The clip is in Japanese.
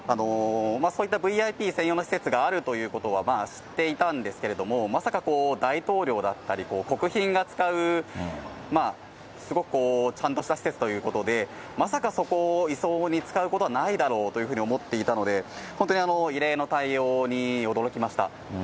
そういったＶＩＰ専用の施設があるということは知っていたんですけれども、まさか大統領だったり、国賓が使う、すごくちゃんとした施設ということで、まさかそこを移送に使うことはないだろうというふうに思っていたので、本当に異例の対応に驚きました。